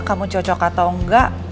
kamu cocok atau enggak